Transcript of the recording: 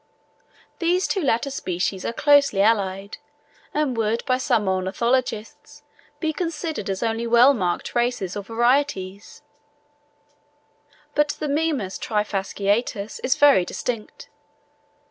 These two latter species are closely allied, and would by some ornithologists be considered as only well marked races or varieties; but the Mimus trifasciatus is very distinct.